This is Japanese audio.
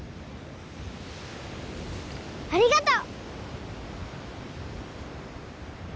ありがとう！